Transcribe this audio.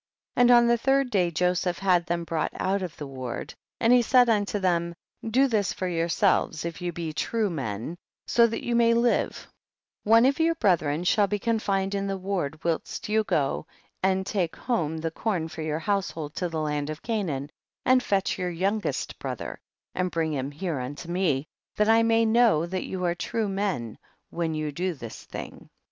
36. And on the third day Joseph had them brought out of the ward, and he said unto them, do this for yourselves if you be ti'ue men, so that you may live, one of your breth ren shall be confined in the ward whilst you go and take home the corn for your household to the land of Canaan, and fetch your youngest brother and bring him here unto me, that I may know that you are true men when you do this thing.